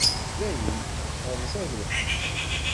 Dayen, rẓag lqut.